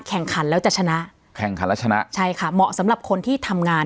แข่งขันแล้วจะชนะแข่งขันแล้วชนะใช่ค่ะเหมาะสำหรับคนที่ทำงาน